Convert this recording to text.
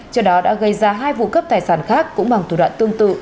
cho đó đã gây ra hai vụ cướp tài sản khác cũng bằng tù đoạn tương tự